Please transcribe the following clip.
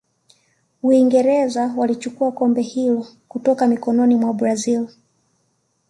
uingereza walichukua kombe hilo kutoka mikononi mwa brazil